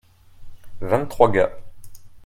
vingt trois gars.